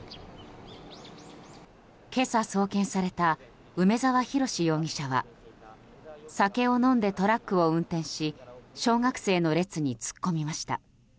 今朝送検された梅沢洋容疑者は酒を飲んでトラックを運転し小学生の列に突っ込みました。